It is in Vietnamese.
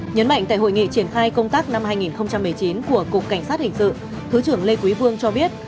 nhấn mạnh tại hội nghị triển khai công tác năm hai nghìn một mươi chín của cục cảnh sát hình sự thứ trưởng lê quý vương cho biết